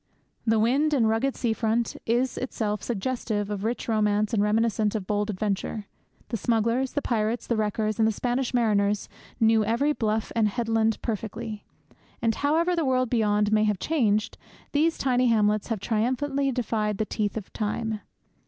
The wild and rugged sea front is itself suggestive of rich romance and reminiscent of bold adventure. The smugglers, the pirates, the wreckers, and the Spanish mariners knew every bluff and headland perfectly. And, however the world beyond may have changed, these tiny hamlets have triumphantly defied the teeth of time.